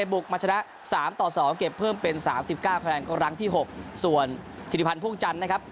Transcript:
บุกมาชนะ๓ต่อ๒เก็บเพิ่มเป็น๓๙คะแนนก็รั้งที่๖ส่วนธิริพันธ์พ่วงจันทร์นะครับ